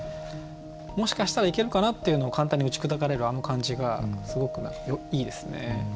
もしかしたらいけるかな？っていうのを簡単に打ち砕かれるあの感じがすごくいいですね。